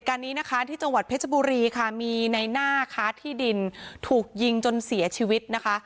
การนี้นะคะที่จังหวัดเพชรบุรีค่ะมีในหน้าค้าที่ดินถูกยิงจนเสียชีวิตนะคะ